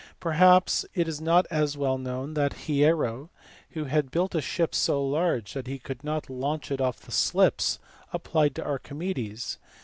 " Perhaps it is not as well known that Hiero, who had built a ship so large that he could not launch it off the slips, applied to Archimedes.